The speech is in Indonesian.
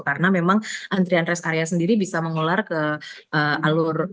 karena memang antrian res area sendiri bisa mengular ke alur